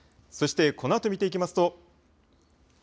そしてこのあと見ていきますと。